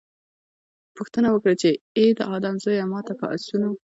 پوښتنه وکړي چې اې د آدم زويه! ما ته په آسونو